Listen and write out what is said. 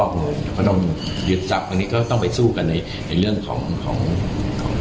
ครับเขาต้องยืดซับตอนนี้ก็ต้องไปสู้กันในเรื่องของของของ